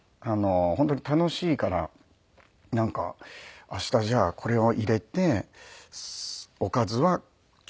本当に楽しいからなんか明日じゃあこれを入れておかずはちょっと。